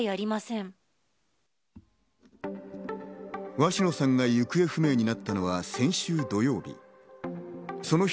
鷲野さんが行方不明になったのは先週土曜日。